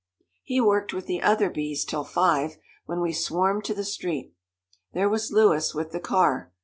He worked with the other bees till five, when we swarmed to the street. There was Louis with the car.